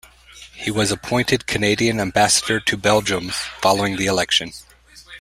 He was appointed Canadian Ambassador to Belgium following the election.